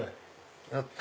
やった！